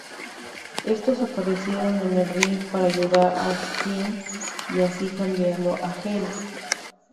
Estos aparecieron en el ring para ayudar a Sting y así cambiando a Heel.